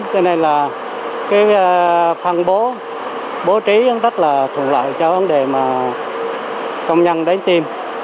cho nên là phần bố trí rất là thuận lợi cho vấn đề công nhân đánh tiêm